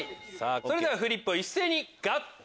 それではフリップを一斉に合体！